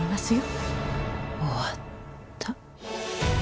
終わった。